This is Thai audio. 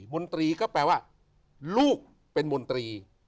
มนตรีก็แปลว่าลูกเป็นมนตรี